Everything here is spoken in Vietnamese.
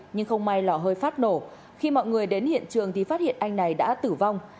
nhưng không may lò hơi phát nổ khi mọi người đến hiện trường thì phát hiện anh này đã tử vong